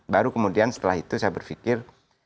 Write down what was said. baru kemudian setelah itu saya berpikir